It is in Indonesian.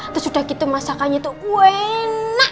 terus udah gitu masakannya itu enak